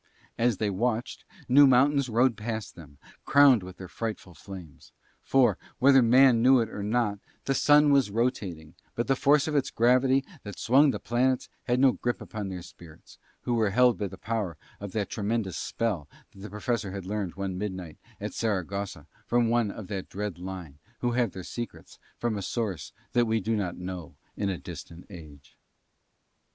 As they watched, new mountains rode past them, crowned with their frightful flames; for, whether man knew it or not, the Sun was rotating, but the force of its gravity that swung the planets had no grip upon spirits, who were held by the power of that tremendous spell that the Professor had learned one midnight at Saragossa from one of that dread line who have their secrets from a source that we do not know in a distant age.